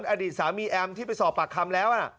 กว่าอดีตสามีเอมที่ไปสอบป่าคคำแล้ว